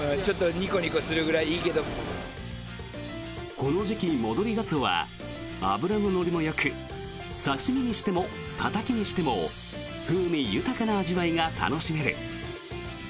この時期、戻りガツオは脂の乗りもよく刺し身にしてもたたきにしても風味豊かな味わいが楽しめる。